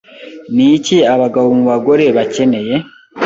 Ni iki abagabo mu bagore bakeneye